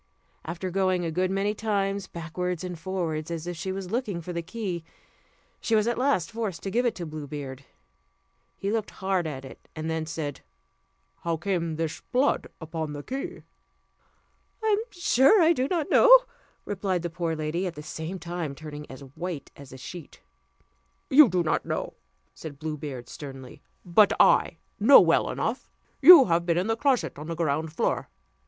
After going a good many times backwards and forwards, as if she was looking for the key, she was at last forced to give it to Blue Beard. He looked hard at it, and then said: "How came this blood upon the key?" "I am sure I do not know," replied the poor lady, at the same time turning as white as a sheet. "You do not know?" said Blue Beard sternly, "but I know well enough. You have been in the closet on the ground floor!